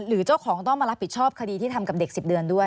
หรือเจ้าของต้องมารับผิดชอบคดีที่ทำกับเด็ก๑๐เดือนด้วย